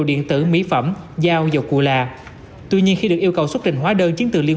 điện tử mỹ phẩm dao dầu cua lạ tuy nhiên khi được yêu cầu xuất trình hóa đơn chiến tự liên